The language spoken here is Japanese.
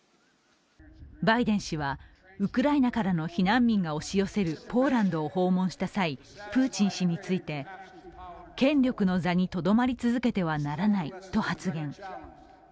バイデン氏は、ウクライナからの避難民が押し寄せるポーランドを訪問した際、プーチン氏について権力の座にとどまりつけてはならないと発言。